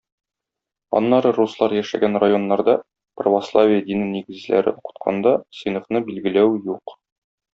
Аннары руслар яшәгән районнарда православие дине нигезләре укытканда, сыйныфны бүлгәләү юк.